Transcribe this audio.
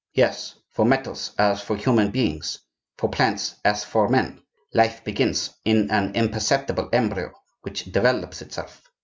Yes, for metals as for human beings, for plants as for men, life begins in an imperceptible embryo which develops itself.